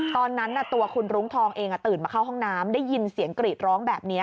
ตอนนั้นตัวคุณรุ้งทองเองตื่นมาเข้าห้องน้ำได้ยินเสียงกรีดร้องแบบนี้